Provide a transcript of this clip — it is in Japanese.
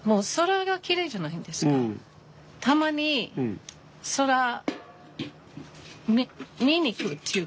たまに空見に行くっていうか。